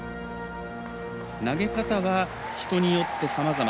投げ方は人によってさまざま。